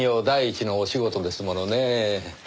第一のお仕事ですものねぇ。